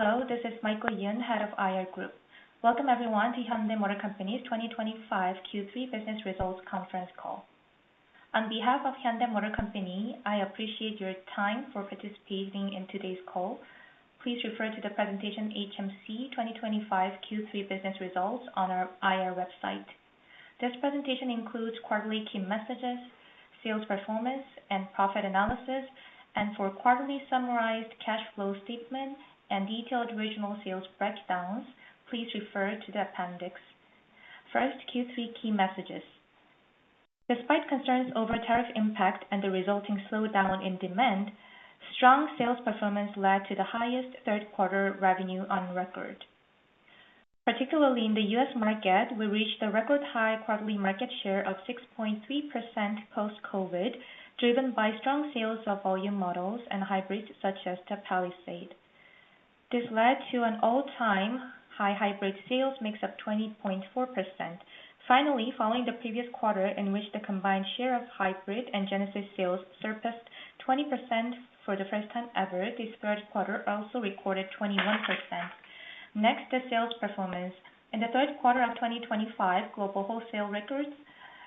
Hello, this is Michael Yun, Head of IR Group. Welcome everyone to Hyundai Motor Company's 2025 Q3 Business Results Conference call. On behalf of Hyundai Motor Company, I appreciate your time for participating in today's call. Please refer to the presentation "HMC 2025 Q3 Business Results" on our IR website. This presentation includes quarterly key messages, sales performance, and profit analysis, and for quarterly summarized cash flow statements and detailed regional sales breakdowns, please refer to the appendix. First, Q3 key messages. Despite concerns over tariff impact and the resulting slowdown in demand, strong sales performance led to the highest third-quarter revenue on record. Particularly in the U.S. market, we reached a record high quarterly market share of 6.3% post-COVID, driven by strong sales of volume models and hybrids such as Palisade. This led to an all-time high hybrid sales mix of 20.4%. Finally, following the previous quarter in which the combined share of hybrid and Genesis sales surpassed 20% for the first time ever, this third quarter also recorded 21%. Next, the sales performance. In the third quarter of 2025, global wholesale records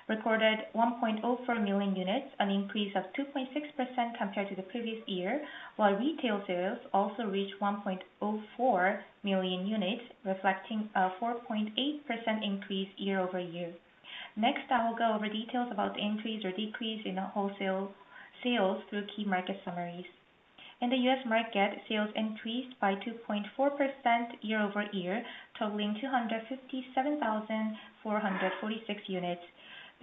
recorded 1.04 million units, an increase of 2.6% compared to the previous year, while retail sales also reached 1.04 million units, reflecting a 4.8% increase year over year. Next, I will go over details about the increase or decrease in wholesale sales through key market summaries. In the U.S. market, sales increased by 2.4% year over year, totaling 257,446 units.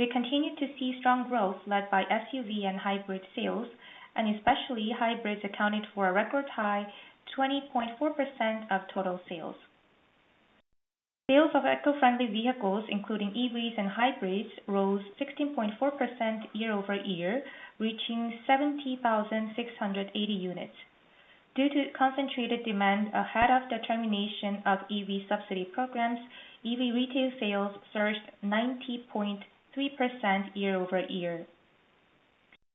We continued to see strong growth led by SUV and hybrid sales, and especially hybrids accounted for a record high, 20.4% of total sales. Sales of eco-friendly vehicles, including EVs and hybrids, rose 16.4% year over year, reaching 70,680 units. Due to concentrated demand ahead of the termination of EV subsidy programs, EV retail sales surged 90.3% year over year.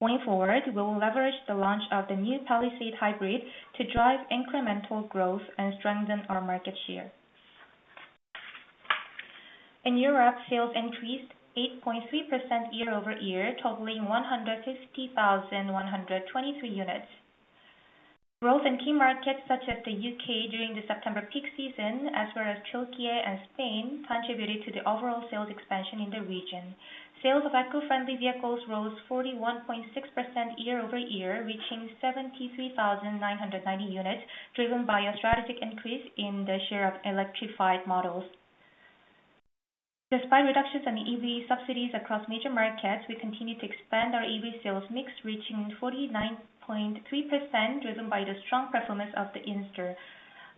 Going forward, we will leverage the launch of the new Palisade hybrid to drive incremental growth and strengthen our market share. In Europe, sales increased 8.3% year over year, totaling 150,123 units. Growth in key markets such as the UK during the September peak season, as well as Turkey and Spain, contributed to the overall sales expansion in the region. Sales of eco-friendly vehicles rose 41.6% year over year, reaching 73,990 units, driven by a strategic increase in the share of electrified models. Despite reductions in EV subsidies across major markets, we continue to expand our EV sales mix, reaching 49.3%, driven by the strong performance of the Inster.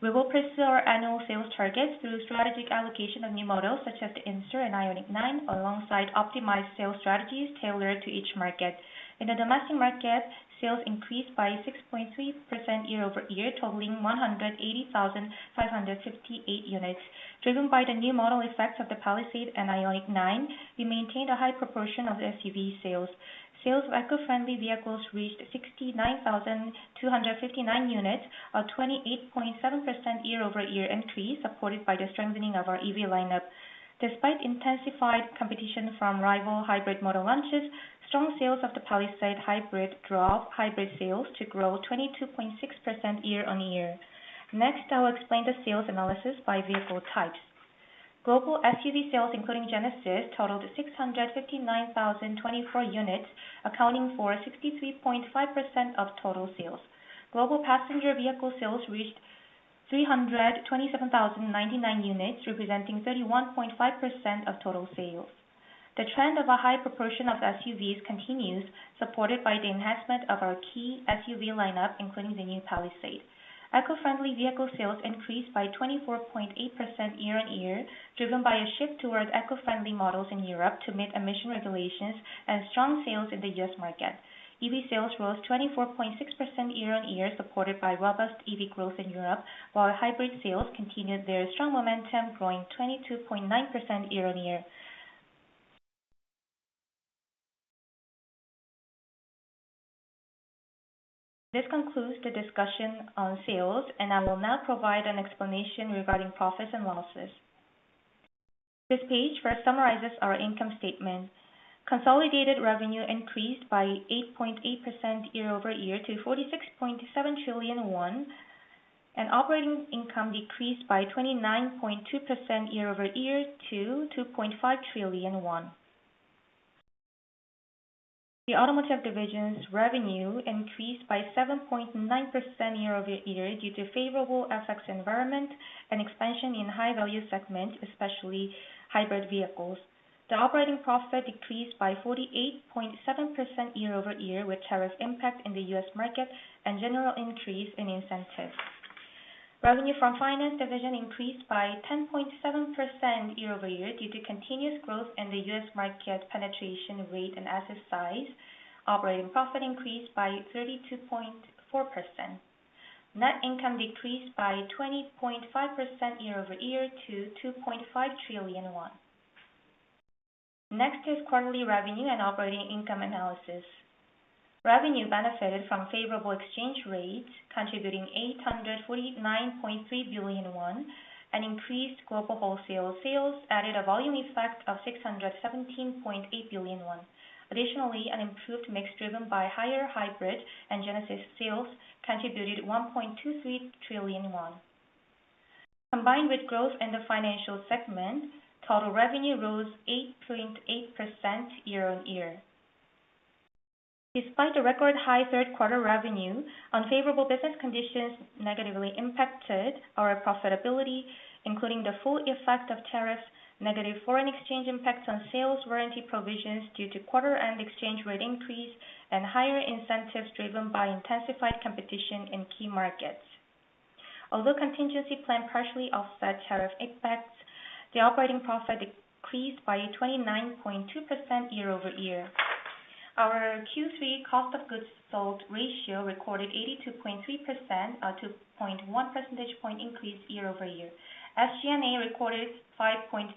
We will pursue our annual sales targets through strategic allocation of new models such as the Inster and IONIQ 9, alongside optimized sales strategies tailored to each market. In the domestic market, sales increased by 6.3% year over year, totaling 180,558 units. Driven by the new model effects of the Palisade and IONIQ 9, we maintained a high proportion of SUV sales. Sales of eco-friendly vehicles reached 69,259 units, a 28.7% year-over-year increase supported by the strengthening of our EV lineup. Despite intensified competition from rival hybrid model launches, strong sales of the Palisade hybrid drove hybrid sales to grow 22.6% year on year. Next, I will explain the sales analysis by vehicle types. Global SUV sales, including Genesis, totaled 659,024 units, accounting for 63.5% of total sales. Global passenger vehicle sales reached 327,099 units, representing 31.5% of total sales. The trend of a high proportion of SUVs continues, supported by the enhancement of our key SUV lineup, including the new Palisade. Eco-friendly vehicle sales increased by 24.8% year on year, driven by a shift towards eco-friendly models in Europe to meet emission regulations and strong sales in the U.S. market. EV sales rose 24.6% year on year, supported by robust EV growth in Europe, while hybrid sales continued their strong momentum, growing 22.9% year on year. This concludes the discussion on sales, and I will now provide an explanation regarding profits and losses. This page first summarizes our income statement. Consolidated revenue increased by 8.8% year over year to 46.7 trillion won, and operating income decreased by 29.2% year over year to 2.5 trillion won. The automotive division's revenue increased by 7.9% year over year due to favorable FX environment and expansion in high-value segments, especially hybrid vehicles. The operating profit decreased by 48.7% year over year with tariff impact in the U.S. market and general increase in incentives. Revenue from finance division increased by 10.7% year over year due to continuous growth in the US market penetration rate and asset size. Operating profit increased by 32.4%. Net income decreased by 20.5% year over year to 2.5 trillion won. Next is quarterly revenue and operating income analysis. Revenue benefited from favorable exchange rates, contributing 849.3 billion won, and increased global wholesale sales added a volume effect of 617.8 billion won. Additionally, an improved mix driven by higher hybrid and Genesis sales contributed 1.23 trillion won. Combined with growth in the financial segment, total revenue rose 8.8% year on year. Despite the record high third-quarter revenue, unfavorable business conditions negatively impacted our profitability, including the full effect of tariffs, negative foreign exchange impact on sales, warranty provisions due to quarter-end exchange rate increase, and higher incentives driven by intensified competition in key markets. Although contingency plan partially offset tariff effects, the operating profit decreased by 29.2% year over year. Our Q3 cost of goods sold ratio recorded 82.3%, a 2.1 percentage point increase year over year. SG&A recorded 5.7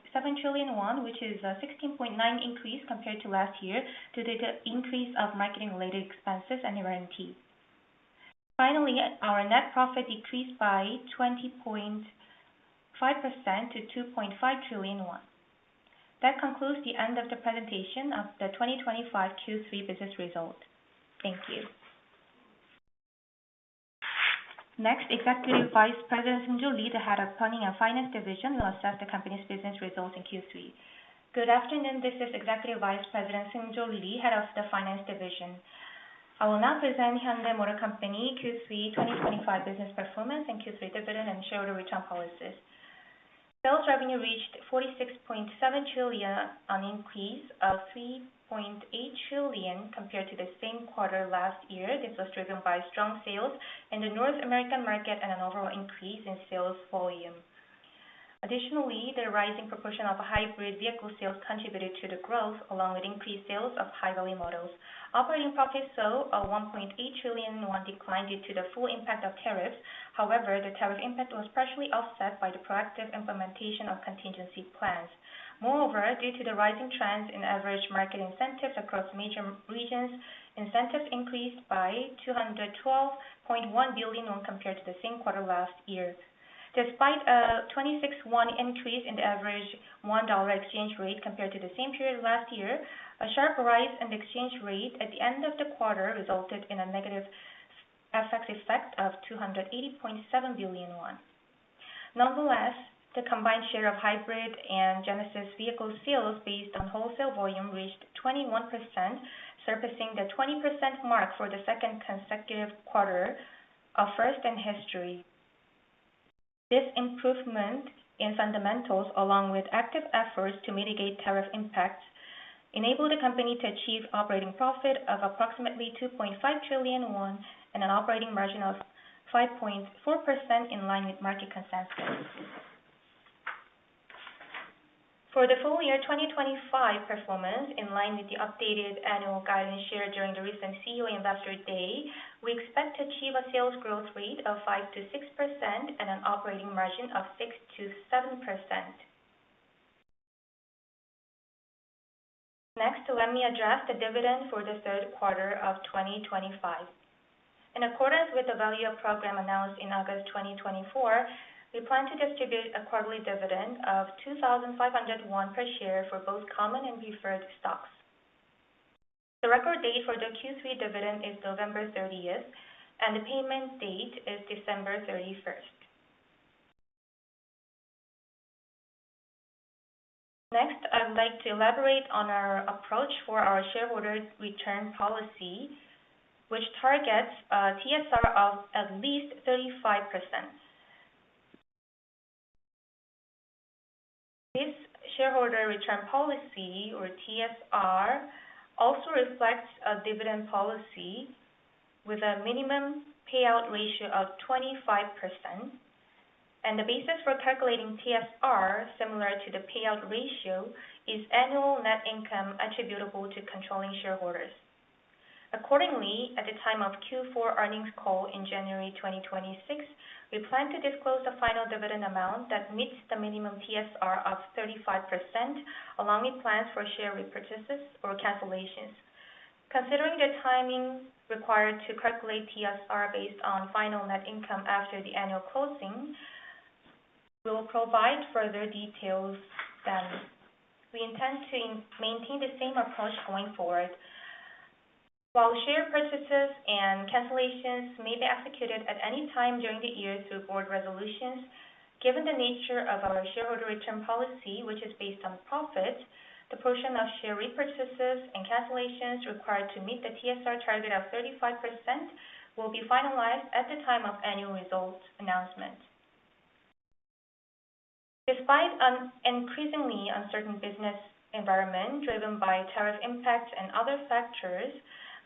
trillion won, which is a 16.9% increase compared to last year due to the increase of marketing-related expenses and warranty. Finally, our net profit decreased by 20.5% to 2.5 trillion won. That concludes the end of the presentation of the 2025 Q3 business result. Thank you. Next, Executive Vice President Seung Jo Lee, the Head of Planning and Finance Division, will assess the company's business results in Q3. Good afternoon. This is Executive Vice President Seung Jo Lee, Head of the Finance Division. I will now present Hyundai Motor Company Q3 2025 business performance and Q3 dividend and shareholder return policies. Sales revenue reached 46.7 trillion KRW, an increase of 3.8 trillion KRW compared to the same quarter last year. This was driven by strong sales in the North American market and an overall increase in sales volume. Additionally, the rising proportion of hybrid vehicle sales contributed to the growth, along with increased sales of high-value models. Operating profits saw a 1.8 trillion won decline due to the full impact of tariffs. However, the tariff impact was partially offset by the proactive implementation of contingency plans. Moreover, due to the rising trends in average market incentives across major regions, incentives increased by 212.1 billion won compared to the same quarter last year. Despite a 26 won increase in the average one-dollar exchange rate compared to the same period last year, a sharp rise in the exchange rate at the end of the quarter resulted in a negative FX effect of 280.7 billion won. Nonetheless, the combined share of hybrid and Genesis vehicle sales based on wholesale volume reached 21%, surpassing the 20% mark for the second consecutive quarter, a first in history. This improvement in fundamentals, along with active efforts to mitigate tariff impacts, enabled the company to achieve operating profit of approximately 2.5 trillion won and an operating margin of 5.4% in line with market consensus. For the full year 2025 performance, in line with the updated annual guidance shared during the recent CEO Investor Day, we expect to achieve a sales growth rate of 5%-6% and an operating margin of 6%-7%. Next, let me address the dividend for the third quarter of 2025. In accordance with the Value-up program announced in August 2024, we plan to distribute a quarterly dividend of 2,500 won per share for both common and preferred stocks. The record date for the Q3 dividend is November 30th, and the payment date is December 31st. Next, I would like to elaborate on our approach for our shareholder return policy, which targets a TSR of at least 35%. This shareholder return policy, or TSR, also reflects a dividend policy with a minimum payout ratio of 25%, and the basis for calculating TSR, similar to the payout ratio, is annual net income attributable to controlling shareholders. Accordingly, at the time of Q4 earnings call in January 2026, we plan to disclose the final dividend amount that meets the minimum TSR of 35%, along with plans for share repurchases or cancellations. Considering the timing required to calculate TSR based on final net income after the annual closing, we will provide further details then. We intend to maintain the same approach going forward. While share purchases and cancellations may be executed at any time during the year through board resolutions, given the nature of our shareholder return policy, which is based on profit, the portion of share repurchases and cancellations required to meet the TSR target of 35% will be finalized at the time of annual results announcement. Despite an increasingly uncertain business environment driven by tariff impacts and other factors,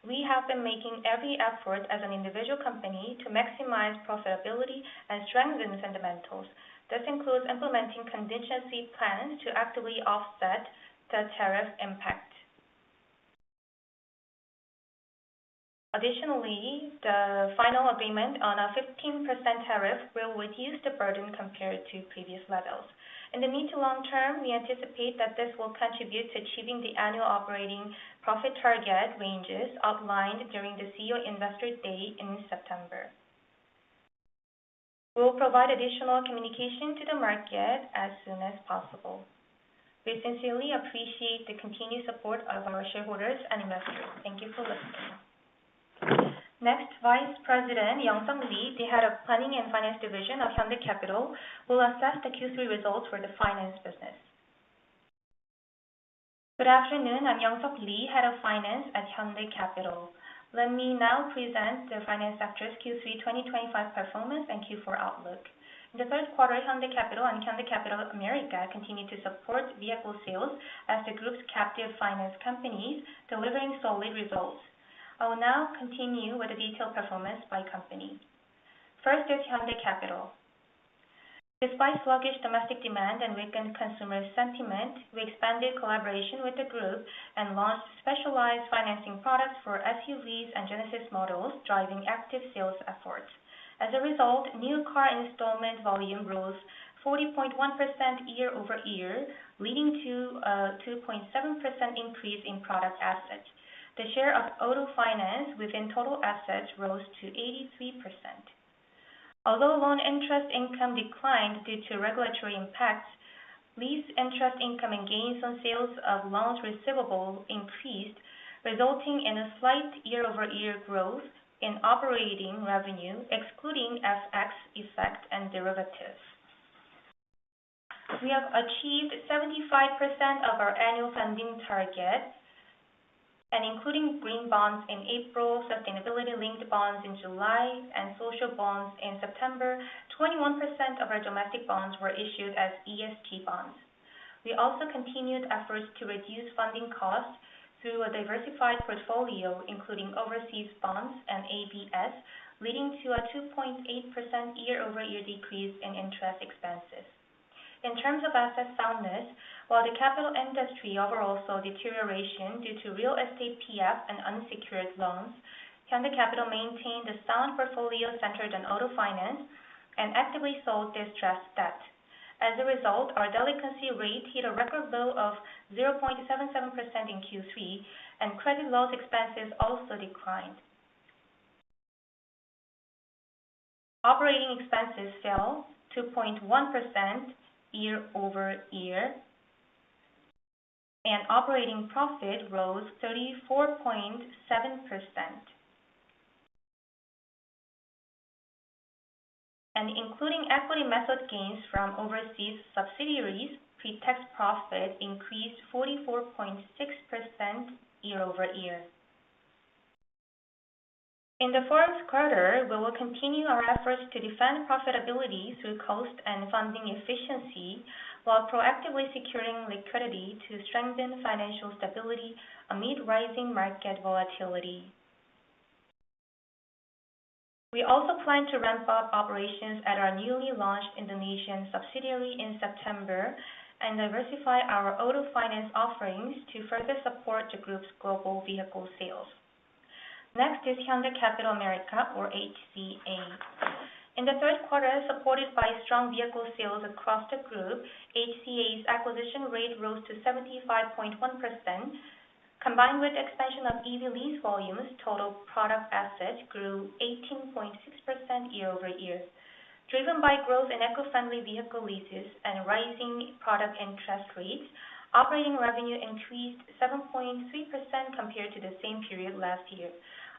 we have been making every effort as an individual company to maximize profitability and strengthen fundamentals. This includes implementing contingency plans to actively offset the tariff impact. Additionally, the final agreement on a 15% tariff will reduce the burden compared to previous levels. In the medium to long term, we anticipate that this will contribute to achieving the annual operating profit target ranges outlined during the CEO Investor Day in September. We will provide additional communication to the market as soon as possible. We sincerely appreciate the continued support of our shareholders and investors. Thank you for listening. Next, Vice President Hyung-seok Lee, the Head of Planning and Finance Division of Hyundai Capital, will assess the Q3 results for the finance business. Good afternoon. I'm Hyung-seok Lee, Head of Finance at Hyundai Capital. Let me now present the finance sector's Q3 2025 performance and Q4 outlook. In the third quarter, Hyundai Capital and Hyundai Capital America continue to support vehicle sales as the group's captive finance companies, delivering solid results. I will now continue with the detailed performance by company. First is Hyundai Capital. Despite sluggish domestic demand and weakened consumer sentiment, we expanded collaboration with the group and launched specialized financing products for SUVs and Genesis models, driving active sales efforts. As a result, new car installment volume rose 40.1% year over year, leading to a 2.7% increase in product assets. The share of auto finance within total assets rose to 83%. Although loan interest income declined due to regulatory impacts, lease interest income and gains on sales of loans receivable increased, resulting in a slight year-over-year growth in operating revenue, excluding FX effect and derivatives. We have achieved 75% of our annual funding target, including green bonds in April, sustainability-linked bonds in July, and social bonds in September. 21% of our domestic bonds were issued as ESG bonds. We also continued efforts to reduce funding costs through a diversified portfolio, including overseas bonds and ABS, leading to a 2.8% year-over-year decrease in interest expenses. In terms of asset soundness, while the capital industry overall saw deterioration due to real estate PF and unsecured loans, Hyundai Capital maintained a sound portfolio centered on auto finance and actively solved distressed debt. As a result, our delinquency rate hit a record low of 0.77% in Q3, and credit loss expenses also declined. Operating expenses fell 2.1% year over year, and operating profit rose 34.7%, and including equity method gains from overseas subsidiaries, pre-tax profit increased 44.6% year over year. In the fourth quarter, we will continue our efforts to defend profitability through cost and funding efficiency, while proactively securing liquidity to strengthen financial stability amid rising market volatility. We also plan to ramp up operations at our newly launched Indonesian subsidiary in September and diversify our auto finance offerings to further support the group's global vehicle sales. Next is Hyundai Capital America, or HCA. In the third quarter, supported by strong vehicle sales across the group, HCA's acquisition rate rose to 75.1%. Combined with the expansion of EV lease volumes, total product assets grew 18.6% year over year. Driven by growth in eco-friendly vehicle leases and rising product interest rates, operating revenue increased 7.3% compared to the same period last year.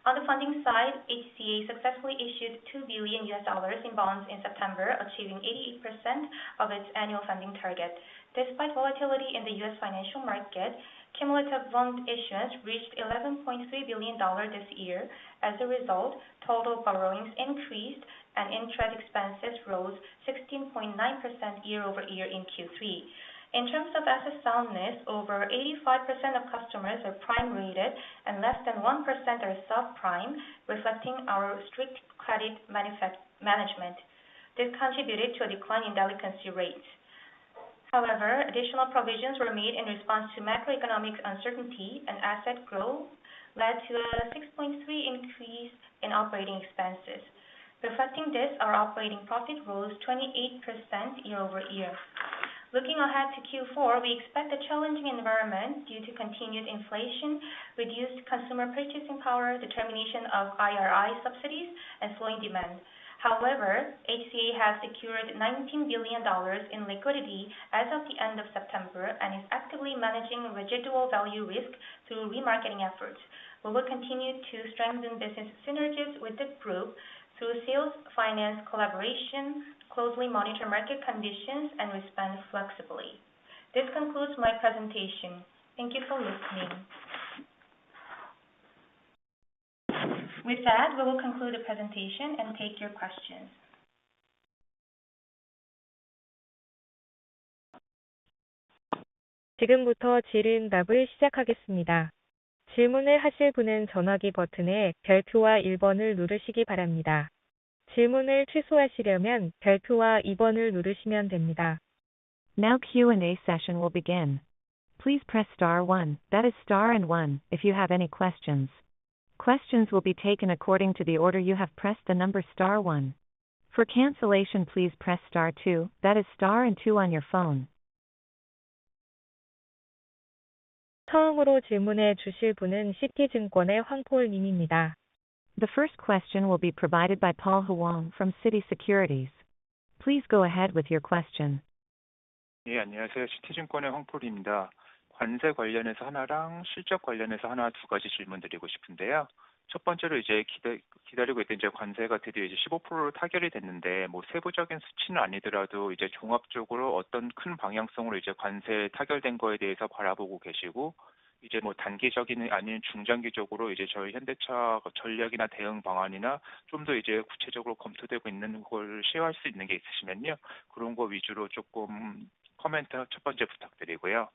On the funding side, HCA successfully issued $2 billion in bonds in September, achieving 88% of its annual funding target. Despite volatility in the U.S. financial market, cumulative bond issuance reached $11.3 billion this year. As a result, total borrowings increased and interest expenses rose 16.9% year over year in Q3. In terms of asset soundness, over 85% of customers are prime-rated and less than 1% are subprime, reflecting our strict credit management. This contributed to a decline in delinquency rates. However, additional provisions were made in response to macroeconomic uncertainty, and asset growth led to a 6.3% increase in operating expenses. Reflecting this, our operating profit rose 28% year over year. Looking ahead to Q4, we expect a challenging environment due to continued inflation, reduced consumer purchasing power, determination of IRA subsidies, and slowing demand. However, HCA has secured $19 billion in liquidity as of the end of September and is actively managing residual value risk through remarketing efforts. We will continue to strengthen business synergies with the group through sales finance collaboration, closely monitor market conditions, and respond flexibly. This concludes my presentation. Thank you for listening. With that, we will conclude the presentation and take your questions. 지금부터 질의응답을 시작하겠습니다. 질문을 하실 분은 전화기 버튼의 *1번을 누르시기 바랍니다. 질문을 취소하시려면 *2번을 누르시면 됩니다. Now Q&A session will begin. Please press *1, that is star and one, if you have any questions. Questions will be taken according to the order you have pressed the number star one. For cancellation, please press *2, that is star and two on your phone. 처음으로 질문해 주실 분은 시티증권의 폴공 님입니다. The first question will be provided by Paul Gong from City Securities. Please go ahead with your question. 네, 안녕하세요. 시티증권의 폴 공입니다. 관세 관련해서 하나랑 실적 관련해서 하나, 두 가지 질문 드리고 싶은데요. 첫 번째로 이제 기다리고 있던 관세가 드디어 15%로 타결이 됐는데, 뭐 세부적인 수치는 아니더라도 이제 종합적으로 어떤 큰 방향성으로 이제 관세 타결된 거에 대해서 바라보고 계시고, 이제 뭐 단기적인 아니면 중장기적으로 이제 저희 현대차 전략이나 대응 방안이나 좀더 이제 구체적으로 검토되고 있는 걸 시도할 수 있는 게 있으시면요. 그런 거 위주로 조금 코멘트 첫 번째 부탁드리고요.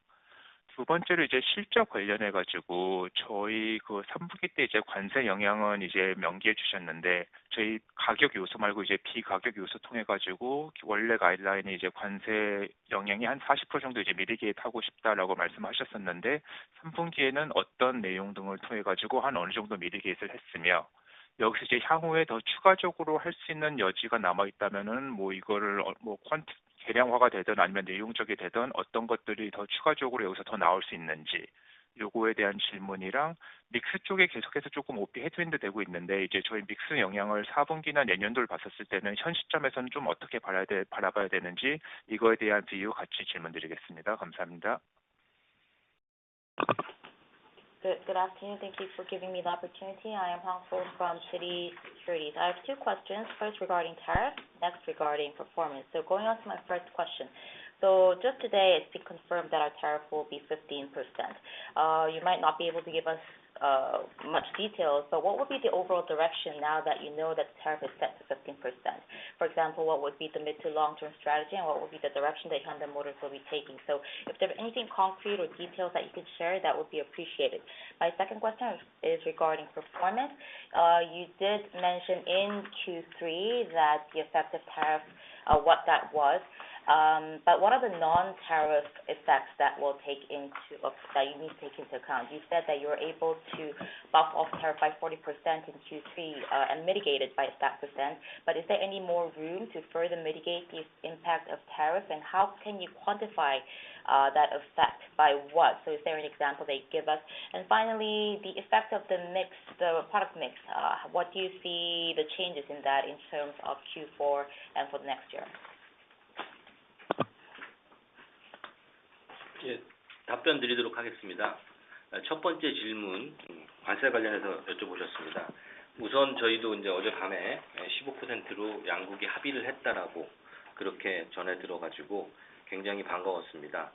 두 번째로 이제 실적 관련해가지고 저희 그 3분기 때 이제 관세 영향은 이제 명기해 주셨는데. 저희 가격 요소 말고 이제 비가격 요소 통해가지고 원래 가이드라인이 이제 관세 영향이 한 40% 정도 이제 미리 개입하고 싶다라고 말씀하셨었는데. 3분기에는 어떤 내용 등을 통해가지고 한 어느 정도 미리 개입을 했으며. 여기서 이제 향후에 더 추가적으로 할수 있는 여지가 남아 있다면은 뭐 이거를 뭐 계량화가 되든 아니면 내용적이 되든 어떤 것들이 더 추가적으로 여기서 더 나올 수 있는지 요거에 대한 질문이랑 믹스 쪽에 계속해서 조금 오피 헤드윈도 되고 있는데. 이제 저희 믹스 영향을 4분기나 내년도를 봤었을 때는 현 시점에서는 좀 어떻게 바라봐야 되는지 이거에 대한 view 같이 질문 드리겠습니다. 감사합니다. Good afternoon. Thank you for giving me the opportunity. I am Paul Gong from City Securities. I have two questions. First, regarding tariff. Next, regarding performance. So going on to my first question. So just today, it's been confirmed that our tariff will be 15%. You might not be able to give us much details, but what would be the overall direction now that you know that the tariff is set to 15%? For example, what would be the mid to long-term strategy, and what would be the direction that Hyundai Motors will be taking? So if there's anything concrete or details that you can share, that would be appreciated. My second question is regarding performance. You did mention in Q3 that the effective tariff, what that was. But what are the non-tariff effects that will take into account that you need to take into account? You said that you were able to buffer off tariff by 40% in Q3, and mitigate it by that percent. But is there any more room to further mitigate the impact of tariff, and how can you quantify that effect by what? So is there an example they give us? And finally, the effect of the mix, the product mix, what do you see the changes in that in terms of Q4 and for the next year? 답변 드리도록 하겠습니다. 첫 번째 질문, 관세 관련해서 여쭤보셨습니다. 우선 저희도 이제 어젯밤에 15%로 양국이 합의를 했다라고 그렇게 전해 들어가지고 굉장히 반가웠습니다.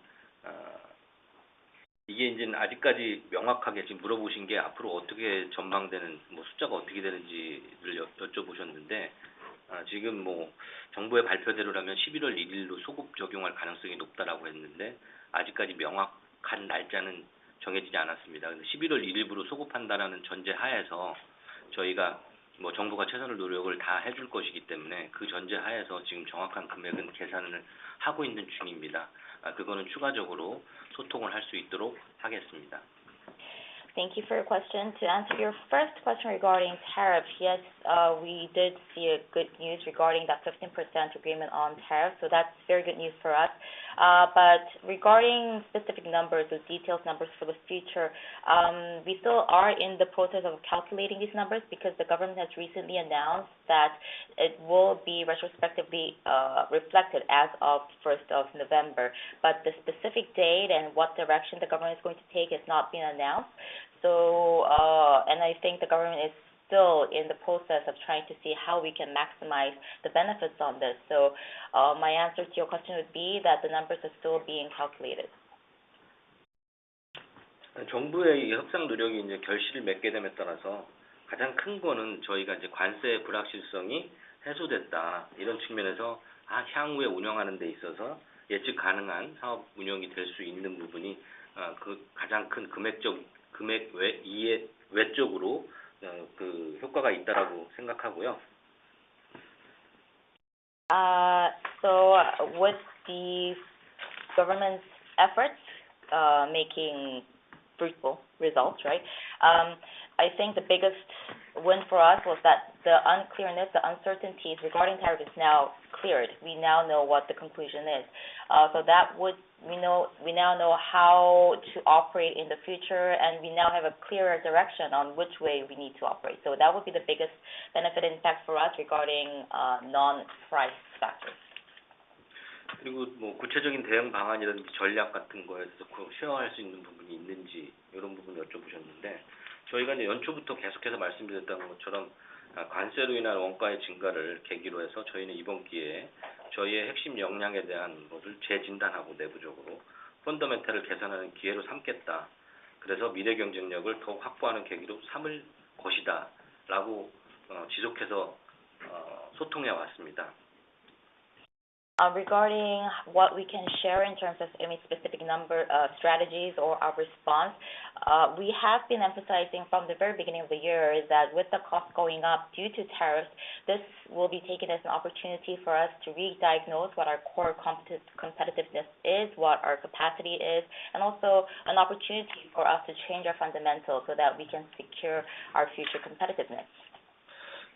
이게 이제는 아직까지 명확하게 지금 물어보신 게 앞으로 어떻게 전망되는 뭐 숫자가 어떻게 되는지를 여쭤보셨는데, 지금 뭐 정부의 발표대로라면 11월 1일로 소급 적용할 가능성이 높다라고 했는데, 아직까지 명확한 날짜는 정해지지 않았습니다. 근데 11월 1일부로 소급한다라는 전제 하에서 저희가 뭐 정부가 최선의 노력을 다 해줄 것이기 때문에 그 전제 하에서 지금 정확한 금액은 계산을 하고 있는 중입니다. 그거는 추가적으로 소통을 할수 있도록 하겠습니다. Thank you for your question. To answer your first question regarding tariff, yes, we did see good news regarding that 15% agreement on tariff. So that's very good news for us, but regarding specific numbers or detailed numbers for the future, we still are in the process of calculating these numbers because the government has recently announced that it will be retrospectively reflected as of 1st of November, but the specific date and what direction the government is going to take has not been announced, so and I think the government is still in the process of trying to see how we can maximize the benefits on this. So, my answer to your question would be that the numbers are still being calculated. 정부의 협상 노력이 이제 결실을 맺게 됨에 따라서 가장 큰 거는 저희가 이제 관세의 불확실성이 해소됐다, 이런 측면에서 향후에 운영하는 데 있어서 예측 가능한 사업 운영이 될수 있는 부분이 그 가장 큰 금액 외의 효과가 있다라고 생각하고요. So with the government's efforts, making fruitful results, right? I think the biggest win for us was that the unclearness, the uncertainties regarding tariff is now cleared. We now know what the conclusion is. So that we now know how to operate in the future, and we now have a clearer direction on which way we need to operate. So that would be the biggest benefit and impact for us regarding non-price factors. 그리고 뭐 구체적인 대응 방안이라든지 전략 같은 거에 대해서 그거 시행할 수 있는 부분이 있는지 이런 부분을 여쭤보셨는데, 저희가 이제 연초부터 계속해서 말씀드렸던 것처럼 관세로 인한 원가의 증가를 계기로 해서 저희는 이번 기회에 저희의 핵심 역량에 대한 것을 재진단하고 내부적으로 펀더멘탈을 개선하는 기회로 삼겠다. 그래서 미래 경쟁력을 더 확보하는 계기로 삼을 것이다라고 지속해서 소통해 왔습니다. Regarding what we can share in terms of any specific number of strategies or our response, we have been emphasizing from the very beginning of the year is that with the cost going up due to tariffs, this will be taken as an opportunity for us to rediagnose what our core competitiveness is, what our capacity is, and also an opportunity for us to change our fundamentals so that we can secure our future competitiveness.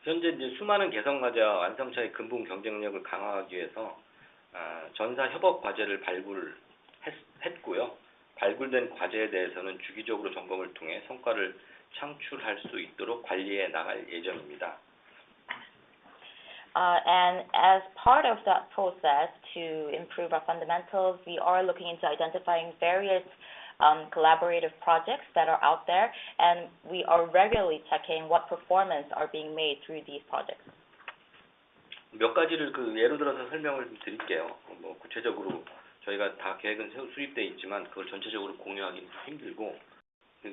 현재 이제 수많은 개선 과제와 완성차의 근본 경쟁력을 강화하기 위해서 전사 협업 과제를 발굴했고요. 발굴된 과제에 대해서는 주기적으로 점검을 통해 성과를 창출할 수 있도록 관리해 나갈 예정입니다. And as part of that process to improve our fundamentals, we are looking into identifying various collaborative projects that are out there, and we are regularly checking what performance are being made through these projects. 몇 가지를 그 예를 들어서 설명을 좀 드릴게요. 뭐 구체적으로 저희가 다 계획은 수립돼 있지만 그걸 전체적으로 공유하기는 좀 힘들고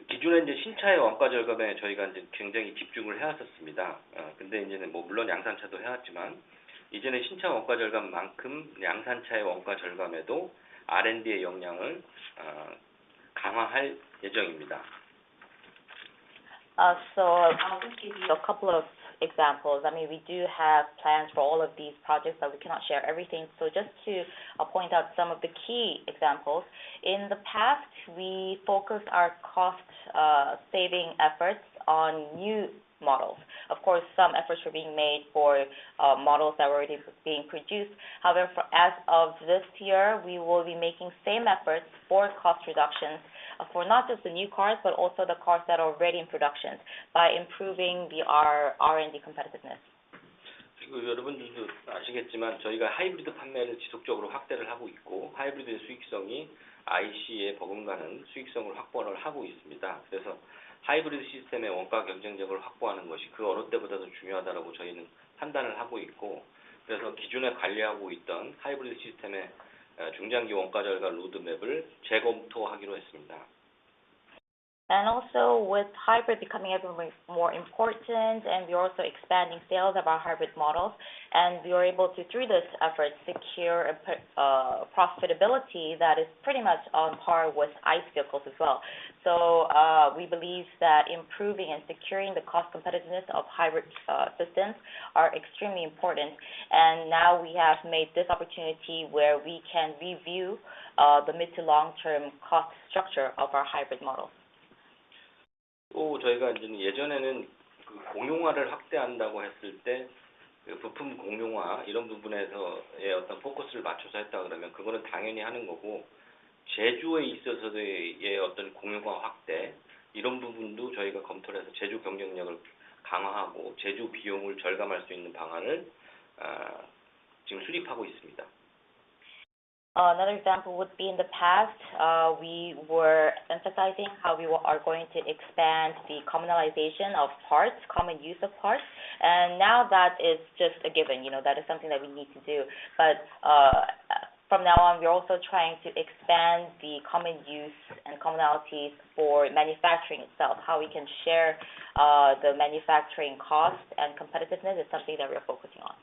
기존에 이제 신차의 원가 절감에 저희가 이제 굉장히 집중을 해왔었습니다. 근데 이제는 뭐 물론 양산차도 해왔지만 이제는 신차 원가 절감만큼 양산차의 원가 절감에도 R&D의 역량을 강화할 예정입니다. So I'll just give you a couple of examples. I mean, we do have plans for all of these projects, but we cannot share everything. So just to point out some of the key examples, in the past we focused our cost saving efforts on new models. Of course, some efforts were being made for models that were already being produced. However, as of this year, we will be making same efforts for cost reductions for not just the new cars, but also the cars that are already in production by improving our R&D competitiveness. 그리고 여러분들도 아시겠지만 저희가 하이브리드 판매를 지속적으로 확대를 하고 있고, 하이브리드의 수익성이 IC에 버금가는 수익성을 확보를 하고 있습니다. 그래서 하이브리드 시스템의 원가 경쟁력을 확보하는 것이 그 어느 때보다도 중요하다라고 저희는 판단을 하고 있고, 그래서 기존에 관리하고 있던 하이브리드 시스템의 중장기 원가 절감 로드맵을 재검토하기로 했습니다. And also with hybrid becoming ever more important, and we're also expanding sales of our hybrid models, and we are able to, through this effort, secure profitability that is pretty much on par with ICE vehicles as well. So we believe that improving and securing the cost competitiveness of hybrid systems are extremely important, and now we have made this opportunity where we can review the mid- to long-term cost structure of our hybrid models. 또 저희가 이제는 예전에는 그 공용화를 확대한다고 했을 때그 부품 공용화 이런 부분에서의 어떤 포커스를 맞춰서 했다 그러면 그거는 당연히 하는 거고, 제조에 있어서의 어떤 공용화 확대 이런 부분도 저희가 검토를 해서 제조 경쟁력을 강화하고 제조 비용을 절감할 수 있는 방안을 지금 수립하고 있습니다. Another example would be in the past we were emphasizing how we are going to expand the commonalization of parts, common use of parts, and now that is just a given, you know, that is something that we need to do. But from now on, we're also trying to expand the common use and commonalities for manufacturing itself. How we can share the manufacturing cost and competitiveness is something that we're focusing on.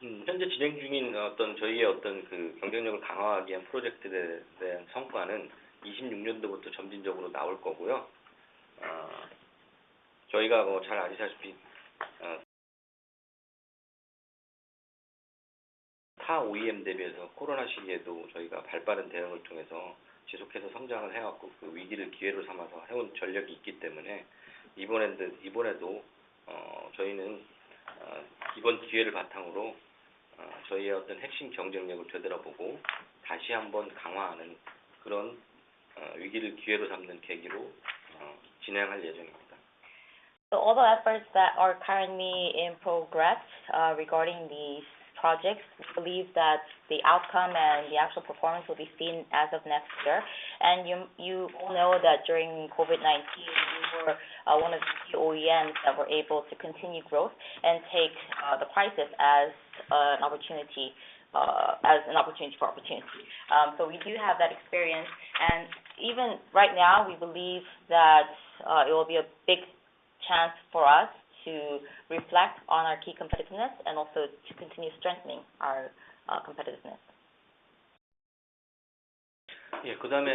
현재 진행 중인 어떤 저희의 어떤 그 경쟁력을 강화하기 위한 프로젝트에 대한 성과는 26년도부터 점진적으로 나올 거고요. 저희가 뭐잘 아시다시피 타 OEM 대비해서 코로나 시기에도 저희가 발빠른 대응을 통해서 지속해서 성장을 해왔고 그 위기를 기회로 삼아서 해온 전력이 있기 때문에 이번에도 저희는 이번 기회를 바탕으로 저희의 어떤 핵심 경쟁력을 되돌아보고 다시 한번 강화하는 그런 위기를 기회로 삼는 계기로 진행할 예정입니다. The other efforts that are currently in progress regarding these projects, we believe that the outcome and the actual performance will be seen as of next year, and you know that during COVID-19, we were one of the few OEMs that were able to continue growth and take the crisis as an opportunity. So we do have that experience, and even right now we believe that it will be a big chance for us to reflect on our key competitiveness and also to continue strengthening our competitiveness. 예, 그다음에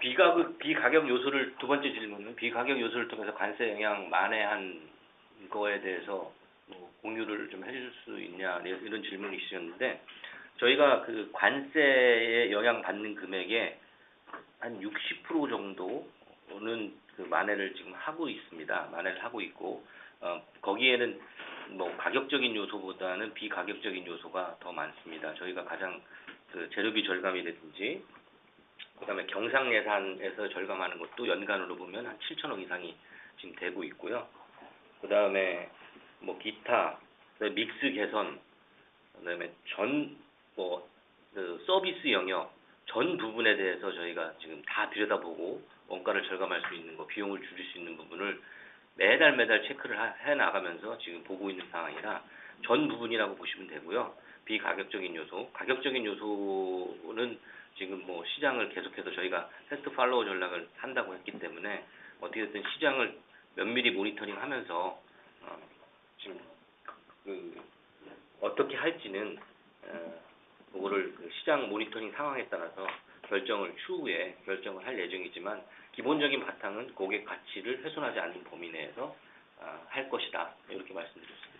비가격 요소를 두 번째 질문은 비가격 요소를 통해서 관세 영향 만회한 거에 대해서 공유를 좀 해줄 수 있냐 이런 질문이 있으셨는데 저희가 그 관세에 영향받는 금액의 한 60% 정도는 만회를 지금 하고 있습니다. 만회를 하고 있고 거기에는 뭐 가격적인 요소보다는 비가격적인 요소가 더 많습니다. 저희가 가장 재료비 절감이 되든지 그다음에 경상 예산에서 절감하는 것도 연간으로 보면 한 7천억 이상이 지금 되고 있고요. 그다음에 뭐 기타 믹스 개선, 그다음에 전뭐 서비스 영역 전 부분에 대해서 저희가 지금 다 들여다보고 원가를 절감할 수 있는 거, 비용을 줄일 수 있는 부분을 매달 매달 체크를 해나가면서 지금 보고 있는 상황이라 전 부분이라고 보시면 되고요. 비가격적인 요소, 가격적인 요소는 지금 뭐 시장을 계속해서 저희가 패스트 팔로우 전략을 한다고 했기 때문에 어떻게 됐든 시장을 면밀히 모니터링하면서 지금 그 어떻게 할지는 그거를 시장 모니터링 상황에 따라서 결정을 추후에 결정을 할 예정이지만 기본적인 바탕은 고객 가치를 훼손하지 않는 범위 내에서 할 것이다 이렇게 말씀드릴 수 있겠습니다.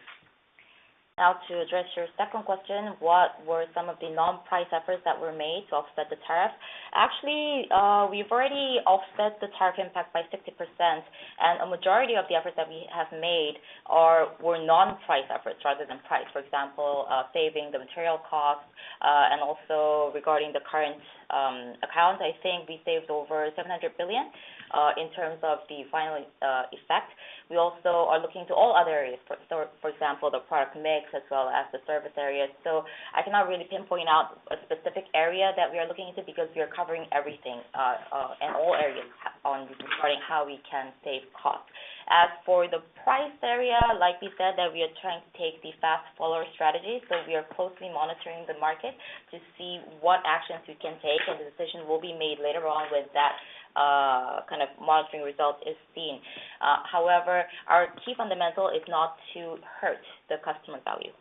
Now to address your second question, what were some of the non-price efforts that were made to offset the tariff? Actually, we've already offset the tariff impact by 60%, and a majority of the efforts that we have made were non-price efforts rather than price. For example, saving the material costs and also regarding the current account, I think we saved over 700 billion in terms of the final effect. We also are looking to all other areas, for example, the product mix as well as the service areas. So I cannot really pinpoint out a specific area that we are looking into because we are covering everything in all areas on regarding how we can save costs. As for the price area, like we said that we are trying to take the fast follower strategy, so we are closely monitoring the market to see what actions we can take, and the decision will be made later on when that kind of monitoring result is seen. However, our key fundamental is not to hurt the customer value.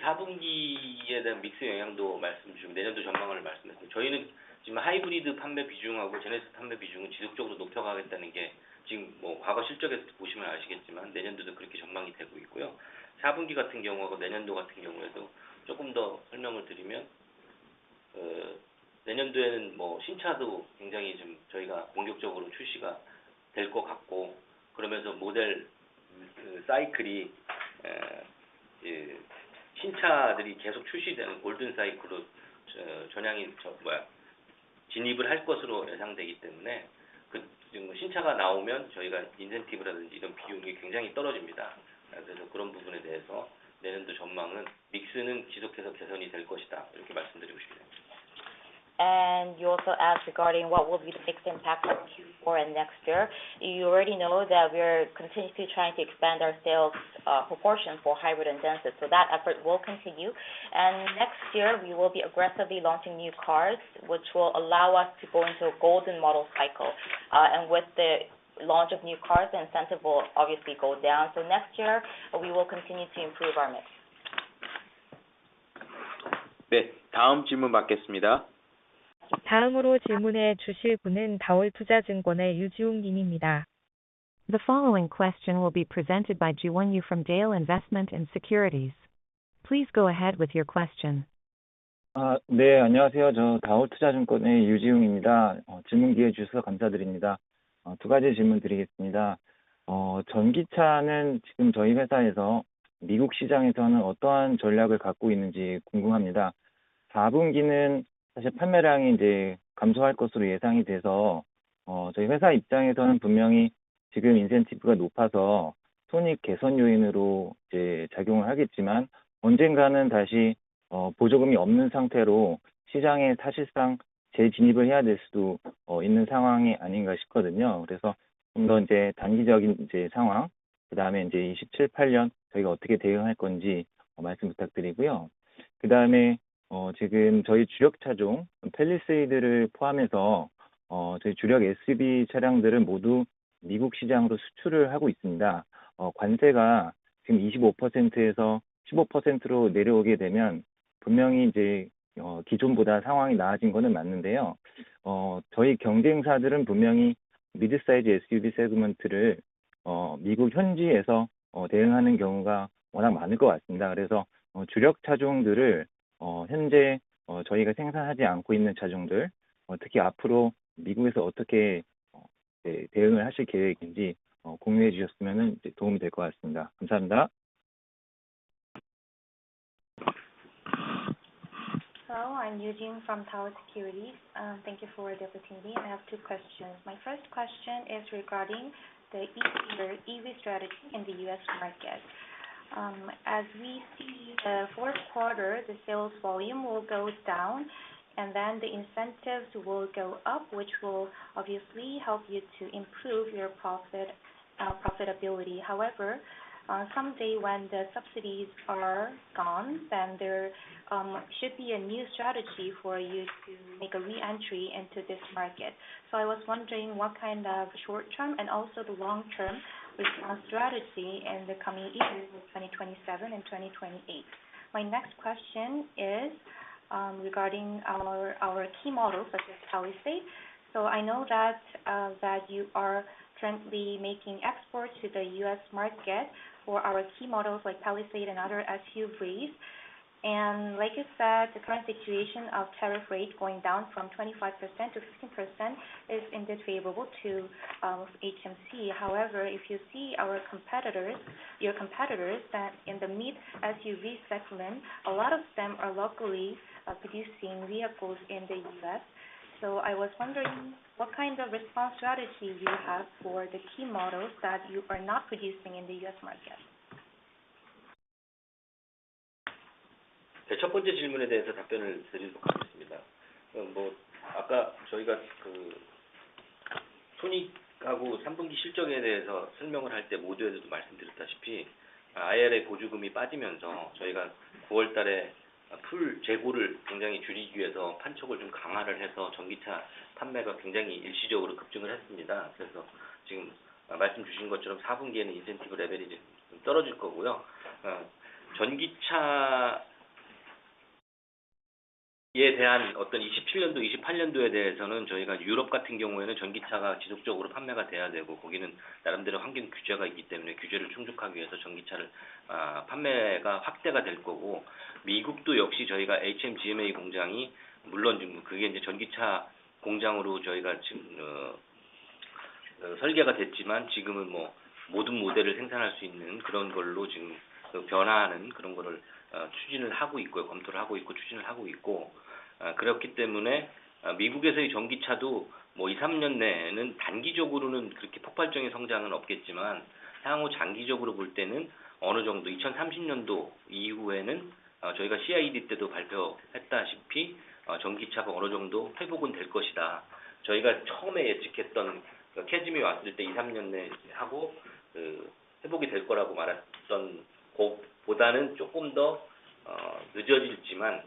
사분기에 대한 믹스 영향도 말씀드리고 내년도 전망을 말씀드렸습니다. 저희는 지금 하이브리드 판매 비중하고 제네시스 판매 비중은 지속적으로 높여가겠다는 게 지금 뭐 과거 실적에서도 보시면 아시겠지만 내년도도 그렇게 전망이 되고 있고요. 사분기 같은 경우하고 내년도 같은 경우에도 조금 더 설명을 드리면, 내년도에는 뭐 신차도 굉장히 좀 저희가 본격적으로 출시가 될것 같고 그러면서 모델 사이클이 신차들이 계속 출시되는 골든 사이클로 전향이 뭐야 진입을 할 것으로 예상되기 때문에 그 지금 신차가 나오면 저희가 인센티브라든지 이런 비용이 굉장히 떨어집니다. 그래서 그런 부분에 대해서 내년도 전망은 믹스는 지속해서 개선이 될 것이다 이렇게 말씀드리고 싶습니다. And you also asked regarding what will be the mix impact for Q4 and next year. You already know that we are continuously trying to expand our sales proportion for hybrid and Genesis, so that effort will continue. And next year we will be aggressively launching new cars, which will allow us to go into a golden model cycle. And with the launch of new cars, the incentive will obviously go down. So next year we will continue to improve our mix. 네, 다음 질문 받겠습니다. 다음으로 질문해 주실 분은 다올투자증권의 유지우 님입니다. The following question will be presented by Yoo Ji-woo from Daol Investment & Securities. Please go ahead with your question. 네, 안녕하세요. 저 다올투자증권의 유지우입니다. 질문 기회 주셔서 감사드립니다. 두 가지 질문 드리겠습니다. 전기차는 지금 저희 회사에서 미국 시장에서는 어떠한 전략을 갖고 있는지 궁금합니다. 4분기는 사실 판매량이 이제 감소할 것으로 예상이 돼서 저희 회사 입장에서는 분명히 지금 인센티브가 높아서 손익 개선 요인으로 이제 작용을 하겠지만 언젠가는 다시 보조금이 없는 상태로 시장에 사실상 재진입을 해야 될 수도 있는 상황이 아닌가 싶거든요. 그래서 좀더 이제 단기적인 이제 상황, 그다음에 이제 2027, 2028년 저희가 어떻게 대응할 건지 말씀 부탁드리고요. 그다음에 지금 저희 주력 차종 팰리세이드를 포함해서 저희 주력 SUV 차량들은 모두 미국 시장으로 수출을 하고 있습니다. 관세가 지금 25%에서 15%로 내려오게 되면 분명히 이제 기존보다 상황이 나아진 거는 맞는데요. 저희 경쟁사들은 분명히 미드 사이즈 SUV 세그먼트를 미국 현지에서 대응하는 경우가 워낙 많을 것 같습니다. 그래서 주력 차종들을 현재 저희가 생산하지 않고 있는 차종들, 특히 앞으로 미국에서 어떻게 대응을 하실 계획인지 공유해 주셨으면 도움이 될것 같습니다. 감사합니다. Hello, I'm Eugene from Daol Investment & Securities. Thank you for the opportunity. I have two questions. My first question is regarding the EV strategy in the US market. As we see, the fourth quarter the sales volume will go down and then the incentives will go up, which will obviously help you to improve your profitability. However, someday when the subsidies are gone, then there should be a new strategy for you to make a re-entry into this market. So I was wondering what kind of short-term and also the long-term response strategy in the coming years, 2027 and 2028. My next question is regarding our key models such as Palisade. So I know that you are currently making exports to the U.S. market for our key models like Palisade and other SUVs. And like you said, the current situation of tariff rate going down from 25%-15% is indeed favorable to HMC. However, if you see your competitors that in the mid SUV segment, a lot of them are locally producing vehicles in the U.S. So I was wondering what kind of response strategy you have for the key models that you are not producing in the U.S. market. 첫 번째 질문에 대해서 답변을 드리도록 하겠습니다. 뭐 아까 저희가 손익하고 3분기 실적에 대해서 설명을 할때 모드에서도 말씀드렸다시피 IRA 보조금이 빠지면서 저희가 9월 달에 풀 재고를 굉장히 줄이기 위해서 판촉을 좀 강화를 해서 전기차 판매가 굉장히 일시적으로 급증을 했습니다. 그래서 지금 말씀 주신 것처럼 4분기에는 인센티브 레벨이 좀 떨어질 거고요. 전기차에 대한 어떤 2027년도, 2028년도에 대해서는 저희가 유럽 같은 경우에는 전기차가 지속적으로 판매가 돼야 되고 거기는 나름대로 환경 규제가 있기 때문에 규제를 충족하기 위해서 전기차를 판매가 확대가 될 거고 미국도 역시 저희가 HMGMA 공장이 물론 지금 그게 이제 전기차 공장으로 저희가 지금 설계가 됐지만 지금은 뭐 모든 모델을 생산할 수 있는 그런 걸로 지금 변화하는 그런 거를 추진을 하고 있고요. 검토를 하고 있고 추진을 하고 있고 그렇기 때문에 미국에서의 전기차도 뭐 2, 3년 내에는 단기적으로는 그렇게 폭발적인 성장은 없겠지만 향후 장기적으로 볼 때는 어느 정도 2030년도 이후에는 저희가 CID 때도 발표했다시피 전기차가 어느 정도 회복은 될 것이다. 저희가 처음에 예측했던 캐즘이 왔을 때 2, 3년 내에 하고 그 회복이 될 거라고 말했던 것보다는 조금 더 늦어지겠지만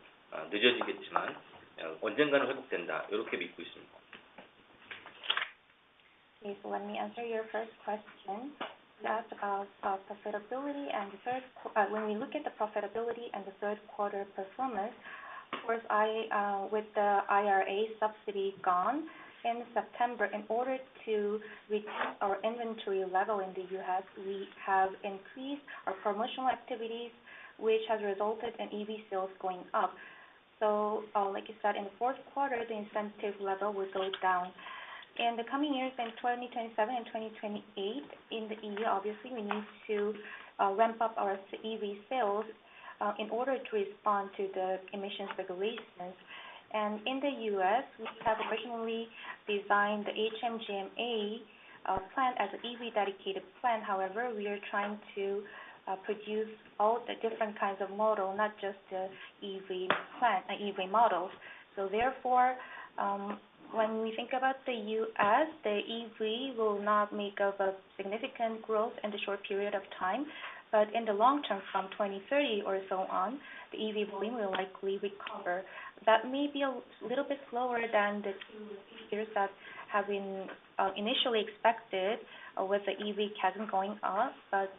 언젠가는 회복된다 이렇게 믿고 있습니다. Please let me answer your first question. You asked about profitability and the third when we look at the profitability and the third quarter performance. Of course, with the IRA subsidy gone in September, in order to retain our inventory level in the U.S., we have increased our promotional activities, which has resulted in EV sales going up. So like you said, in the fourth quarter, the incentive level will go down. In the coming years, in 2027 and 2028, in the EU, obviously we need to ramp up our EV sales in order to respond to the emissions regulations. And in the U.S., we have originally designed the HMGMA plant as an EV dedicated plant. However, we are trying to produce all the different kinds of model, not just the EV plant and EV models. So therefore, when we think about the U.S., the EV will not make up a significant growth in the short period of time, but in the long term, from 2030 or so on, the EV volume will likely recover. That may be a little bit slower than the two years that have been initially expected with the EV case going up, but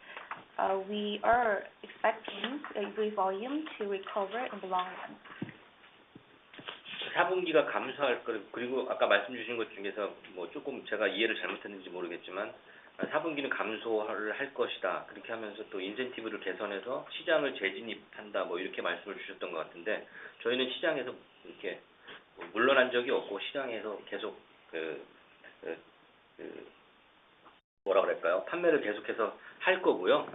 we are expecting the EV volume to recover in the long run. 4분기가 감소할 거라고 그리고 아까 말씀 주신 것 중에서 뭐 조금 제가 이해를 잘못했는지 모르겠지만 4분기는 감소를 할 것이다. 그렇게 하면서 또 인센티브를 개선해서 시장을 재진입한다 뭐 이렇게 말씀을 주셨던 것 같은데 저희는 시장에서 이렇게 물러난 적이 없고 시장에서 계속 그 뭐라 그럴까요 판매를 계속해서 할 거고요.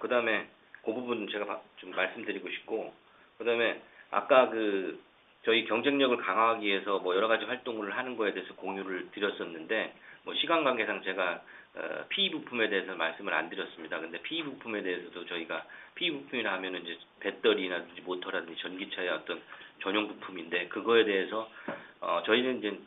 그다음에 그 부분 제가 좀 말씀드리고 싶고 그다음에 아까 그 저희 경쟁력을 강화하기 위해서 뭐 여러 가지 활동을 하는 거에 대해서 공유를 드렸었는데 뭐 시간 관계상 제가 PE 부품에 대해서는 말씀을 안 드렸습니다. 근데 PE 부품에 대해서도 저희가 PE 부품이라 하면은 이제 배터리라든지 모터라든지 전기차의 어떤 전용 부품인데, 그거에 대해서 저희는 이제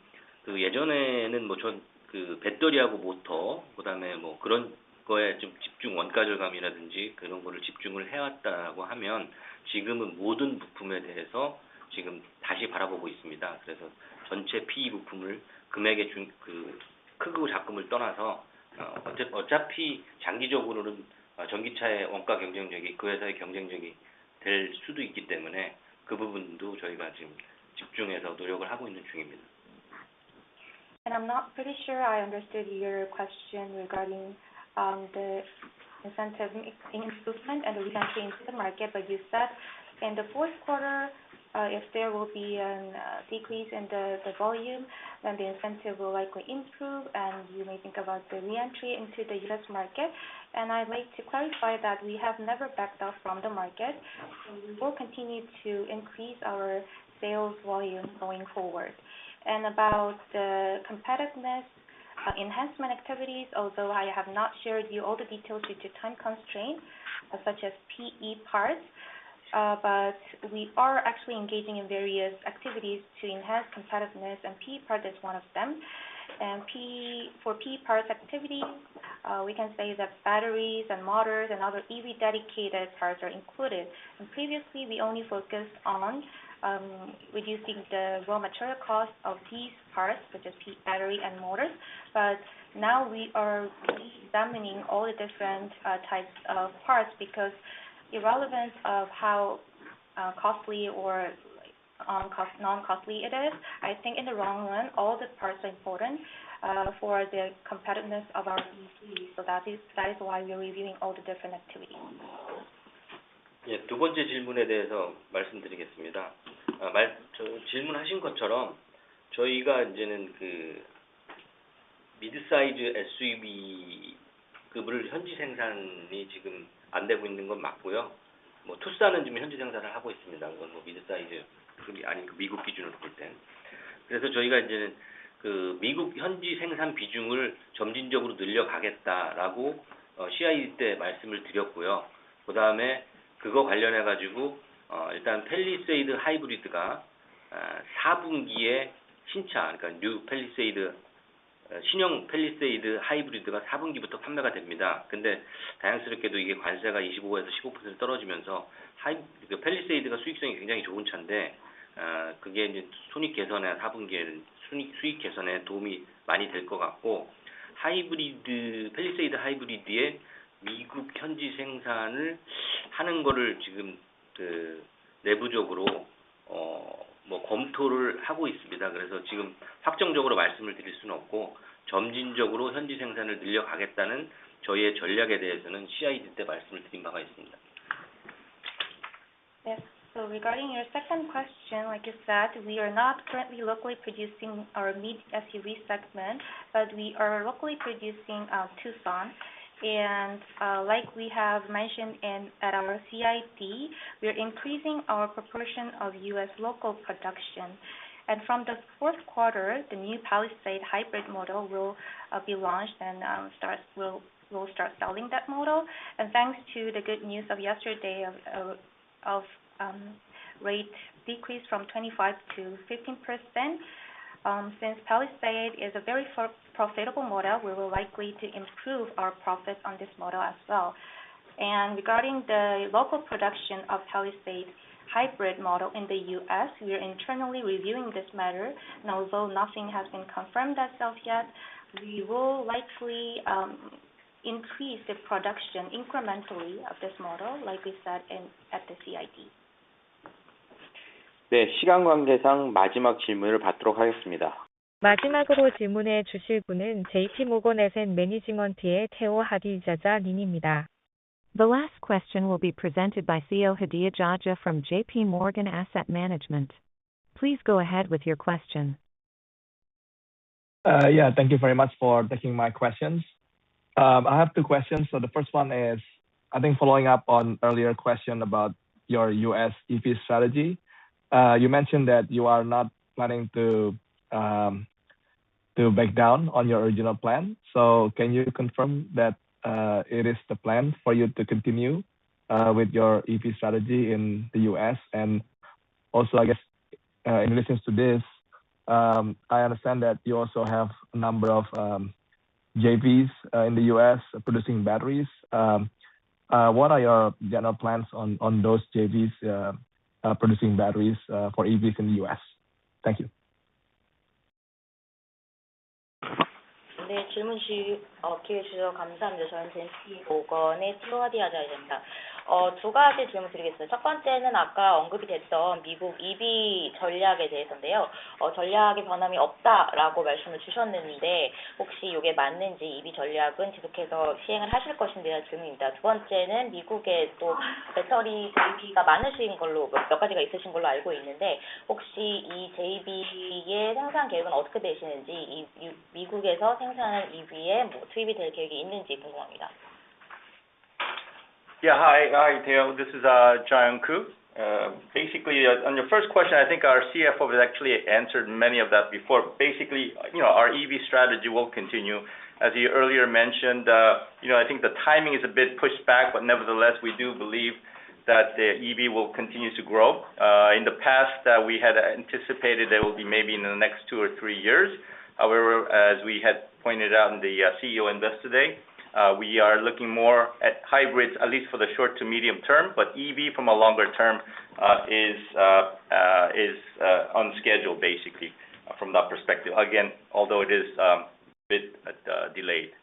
그 예전에는 뭐전그 배터리하고 모터 그다음에 뭐 그런 거에 좀 집중 원가 절감이라든지 그런 거를 집중을 해왔다고 하면 지금은 모든 부품에 대해서 지금 다시 바라보고 있습니다. 그래서 전체 PE 부품을 금액의 그 크고 작은을 떠나서 어차피 장기적으로는 전기차의 원가 경쟁력이 그 회사의 경쟁력이 될 수도 있기 때문에 그 부분도 저희가 지금 집중해서 노력을 하고 있는 중입니다. I'm not quite sure I understood your question regarding the incentive improvement and the re-entry into the market, but you said in the fourth quarter if there will be a decrease in the volume then the incentive will likely improve and you may think about the re-entry into the US market. I'd like to clarify that we have never backed out from the market. We will continue to increase our sales volume going forward. And about the competitiveness enhancement activities, although I have not shared you all the details due to time constraints such as PE parts, but we are actually engaging in various activities to enhance competitiveness, and PE part is one of them. And for PE parts activities, we can say that batteries and motors and other EV dedicated parts are included. And previously we only focused on reducing the raw material cost of these parts, which is battery and motors, but now we are re-examining all the different types of parts because irrelevant of how costly or non-costly it is, I think in the long run all the parts are important for the competitiveness of our EVs. So that is why we're reviewing all the different activities. 두 번째 질문에 대해서 말씀드리겠습니다. 질문하신 것처럼 저희가 이제는 그 미드 사이즈 SUV급을 현지 생산이 지금 안 되고 있는 건 맞고요. 투싼은 지금 현지 생산을 하고 있습니다. 그건 뭐 미드 사이즈급이 아닌 미국 기준으로 볼 때는. 그래서 저희가 이제는 그 미국 현지 생산 비중을 점진적으로 늘려가겠다라고 CID 때 말씀을 드렸고요. 그다음에 그거 관련해가지고 일단 Palisade 하이브리드가 4분기에 신차, 그러니까 New Palisade 신형 Palisade 하이브리드가 4분기부터 판매가 됩니다. 근데 다행스럽게도 이게 관세가 25%에서 15% 떨어지면서 Palisade가 수익성이 굉장히 좋은 차인데 그게 이제 손익 개선에 4분기에는 수익 개선에 도움이 많이 될것 같고 hybrid Palisade hybrid의 미국 현지 생산을 하는 거를 지금 그 내부적으로 뭐 검토를 하고 있습니다. 그래서 지금 확정적으로 말씀을 드릴 수는 없고 점진적으로 현지 생산을 늘려가겠다는 저희의 전략에 대해서는 CID 때 말씀을 드린 바가 있습니다. Yes, regarding your second question, like you said, we are not currently locally producing our mid SUV segment, but we are locally producing Tucson. Like we have mentioned at our CID, we are increasing our proportion of U.S. local production. From the fourth quarter, the new Palisade hybrid model will be launched and will start selling that model. Thanks to the good news of yesterday of rate decrease from 25%-15%, since Palisade is a very profitable model, we will likely to improve our profit on this model as well. Regarding the local production of Palisade hybrid model in the U.S., we are internally reviewing this matter. Now, although nothing has been confirmed as of yet, we will likely increase the production incrementally of this model, like we said at the CID. 네, 시간 관계상 마지막 질문을 받도록 하겠습니다. 마지막으로 질문해 주실 분은 JP Morgan Asset Management의 테오 하디자자 님입니다. The last question will be presented by Theo Hadirajaja from J.P. Morgan Asset Management. Please go ahead with your question. Yeah, thank you very much for taking my questions. I have two questions. So the first one is, I think following up on earlier question about your US EV strategy, you mentioned that you are not planning to back down on your original plan. So can you confirm that it is the plan for you to continue with your EV strategy in the US? And also, I guess in relation to this, I understand that you also have a number of JVs in the US producing batteries. What are your general plans on those JVs producing batteries for EVs in the US? Thank you. 네, 질문 주셔서 감사합니다. 저는 JP Morgan의 테오 하디라자입니다. 두 가지 질문 드리겠습니다. 첫 번째는 아까 언급이 됐던 미국 EV 전략에 대해서인데요. 전략에 변함이 없다라고 말씀을 주셨는데 혹시 이게 맞는지 EV 전략은 지속해서 시행을 하실 것인지에 대한 질문입니다. 두 번째는 미국에 또 배터리 장비가 많으신 걸로 몇 가지가 있으신 걸로 알고 있는데 혹시 이 JV의 생산 계획은 어떻게 되시는지 미국에서 생산한 EV에 투입이 될 계획이 있는지 궁금합니다. Yeah, hi, Theo. This is Jayun Koo. Basically, on your first question, I think our CFO has actually answered many of that before. Basically, you know our EV strategy will continue. As you earlier mentioned, you know I think the timing is a bit pushed back, but nevertheless we do believe that the EV will continue to grow. In the past, we had anticipated there will be maybe in the next two or three years. However, as we had pointed out in the CEO Investor Day, we are looking more at hybrids, at least for the short to medium term, but EV from a longer term is on schedule basically from that perspective. Again, although it is a bit delayed.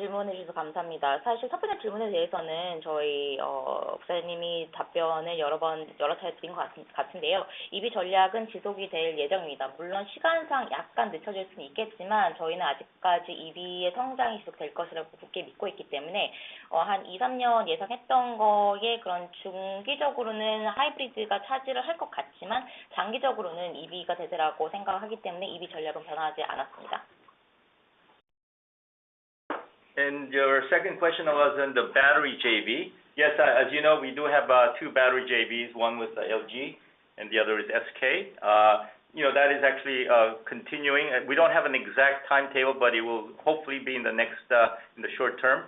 네, 질문해 주셔서 감사합니다. 사실 첫 번째 질문에 대해서는 저희 부사장님이 답변을 여러 차례 드린 것 같은데요. EV 전략은 지속이 될 예정입니다. 물론 시간상 약간 늦춰질 수는 있겠지만 저희는 아직까지 EV의 성장이 지속될 것이라고 굳게 믿고 있기 때문에 한 2, 3년 예상했던 거에 그런 중기적으로는 하이브리드가 차지를 할것 같지만 장기적으로는 EV가 대세라고 생각하기 때문에 EV 전략은 변하지 않았습니다. And your second question was on the battery JV. Yes, as you know, we do have two battery JVs, one with LG and the other is SK. You know that is actually continuing. We don't have an exact timetable, but it will hopefully be in the next in the short term.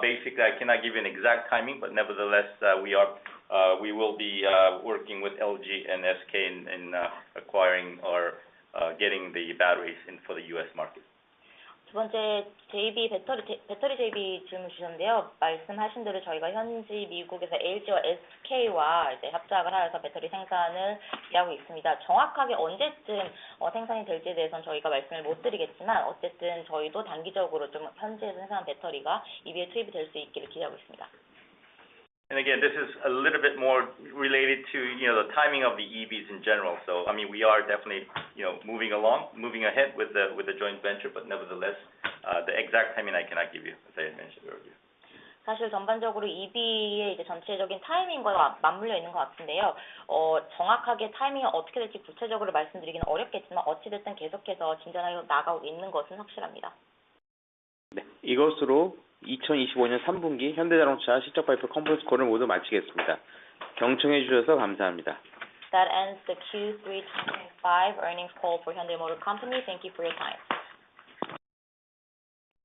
Basically, I cannot give you an exact timing, but nevertheless we will be working with LG and SK in acquiring or getting the batteries in for the U.S. market. 두 번째 JV 배터리 JV 질문 주셨는데요. 말씀하신 대로 저희가 현지 미국에서 LG와 SK와 이제 협력을 하여서 배터리 생산을 기대하고 있습니다. 정확하게 언제쯤 생산이 될지에 대해서는 저희가 말씀을 못 드리겠지만 어쨌든 저희도 단기적으로 좀 현지에서 생산한 배터리가 EV에 투입이 될수 있기를 기대하고 있습니다. And again, this is a little bit more related to the timing of the EVs in general. So I mean we are definitely moving along, moving ahead with the joint venture, but nevertheless the exact timing I cannot give you as I mentioned earlier. 사실 전반적으로 EV의 이제 전체적인 타이밍과 맞물려 있는 것 같은데요. 정확하게 타이밍이 어떻게 될지 구체적으로 말씀드리기는 어렵겠지만 어찌 됐든 계속해서 진전하여 나가고 있는 것은 확실합니다. 네, 이것으로 2025년 3분기 현대자동차 실적 발표 컨퍼런스 콜을 모두 마치겠습니다. 경청해 주셔서 감사합니다. That ends the Q3 2025 earnings call for Hyundai Motor Company. Thank you for your time.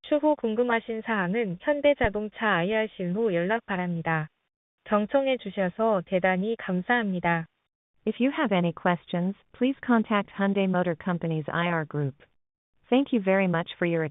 추후 궁금하신 사항은 현대자동차 IRC로 연락 바랍니다. 경청해 주셔서 대단히 감사합니다. If you have any questions, please contact Hyundai Motor Company's IR Group. Thank you very much for your help.